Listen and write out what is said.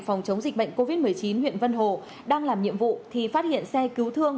phòng chống dịch bệnh covid một mươi chín huyện vân hồ đang làm nhiệm vụ thì phát hiện xe cứu thương